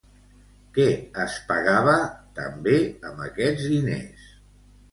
Què es pagava també amb aquests diners?